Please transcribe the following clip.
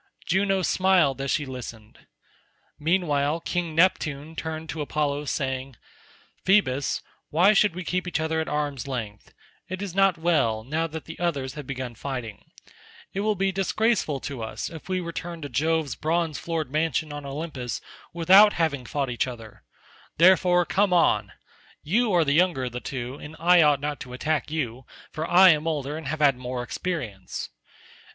Juno smiled as she listened. Meanwhile King Neptune turned to Apollo saying, "Phoebus, why should we keep each other at arm's length? it is not well, now that the others have begun fighting; it will be disgraceful to us if we return to Jove's bronze floored mansion on Olympus without having fought each other; therefore come on, you are the younger of the two, and I ought not to attack you, for I am older and have had more experience.